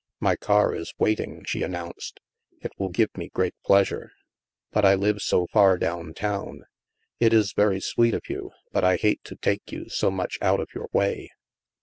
" My car is waiting," she announced. " It will give me great pleasure." " But I live so far down town. It is very sweet of you, but I hate to take you so much out of your wav."